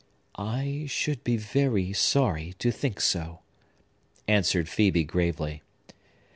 "I should be very sorry to think so," answered Phœbe gravely.